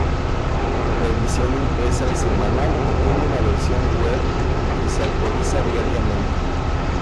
La edición impresa es semanal y tiene una versión web que se actualiza diariamente.